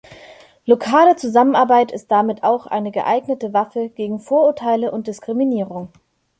Lokale Zusammenarbeit ist damit auch eine geeignete Waffe gegen Vorurteile und Diskriminierung.